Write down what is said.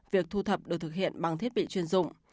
việc thu thập được thực hiện bằng thiết bị chuyên dụng